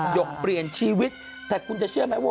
หกเปลี่ยนชีวิตแต่คุณจะเชื่อไหมว่า